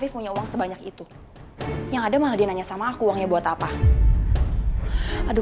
punya uang sebanyak itu yang ada malah dia nanya sama aku uangnya buat apa aduh